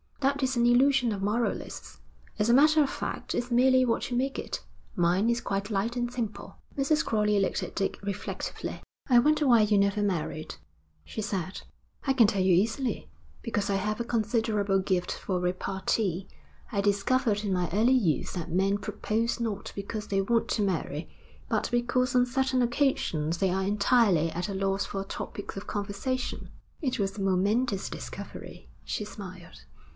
'That is an illusion of moralists. As a matter of fact, it's merely what you make it. Mine is quite light and simple.' Mrs. Crowley looked at Dick reflectively. 'I wonder why you never married,' she said. 'I can tell you easily. Because I have a considerable gift for repartee. I discovered in my early youth that men propose not because they want to marry, but because on certain occasions they are entirely at a loss for topics of conversation.' 'It was a momentous discovery,' she smiled.